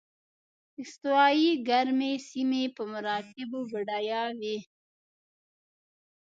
استوایي ګرمې سیمې په مراتبو بډایه وې.